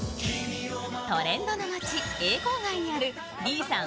トレンドの街・永康街にある李さん